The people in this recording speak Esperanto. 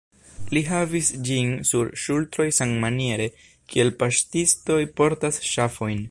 Li havis ĝin sur ŝultroj sammaniere, kiel paŝtistoj portas ŝafojn.